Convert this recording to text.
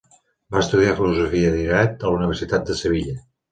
Va estudiar Filosofia i Dret a la Universitat de Sevilla.